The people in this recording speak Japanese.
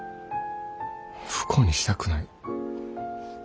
不幸にしたくない。